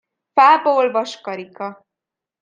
Fából vaskarika.